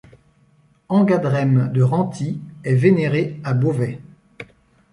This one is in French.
Angadrême de Renty est vénérée à Beauvais.